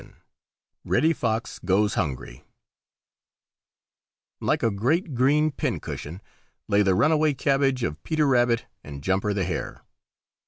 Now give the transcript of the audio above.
XI REDDY FOX GOES HUNGRY Like a great green pincushion lay the runaway cabbage of Peter Rabbit and Jumper the Hare.